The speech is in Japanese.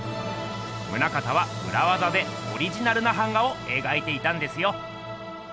棟方はうらわざでオリジナルな版画をえがいていたんですよ。